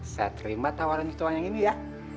saya terima tawaran ketua yang ini ya